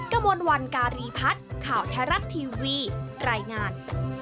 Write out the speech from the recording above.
กระมวลวันการีพัฒน์ข่าวไทยรัฐทีวีรายงาน